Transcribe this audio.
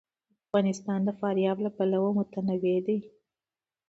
افغانستان د فاریاب له پلوه متنوع دی.